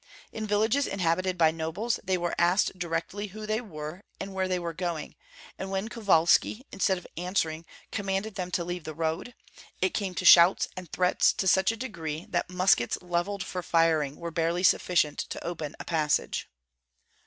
In villages inhabited by nobles they were asked directly who they were and where they were going; and when Kovalski, instead of answering, commanded them to leave the road, it came to shouts and threats to such a degree that muskets levelled for firing were barely sufficient to open a passage.